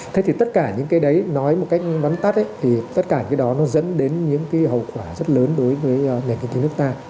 thế thì tất cả những cái đấy nói một cách vắn tắt ấy thì tất cả cái đó nó dẫn đến những cái hậu quả rất lớn đối với nền kinh tế nước ta